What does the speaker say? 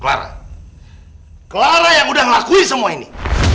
clara clara yang udah ngelakuin semua ini